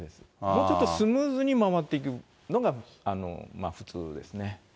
もうちょっとスムーズに回っていくのが普通ですね。